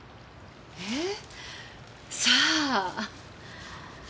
えっ？さあ。